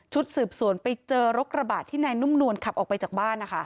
สืบสวนไปเจอรถกระบะที่นายนุ่มนวลขับออกไปจากบ้านนะคะ